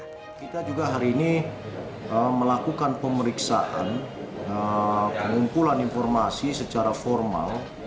kita juga hari ini melakukan pemeriksaan pengumpulan informasi secara formal